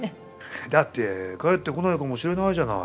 だって帰ってこないかもしれないじゃない？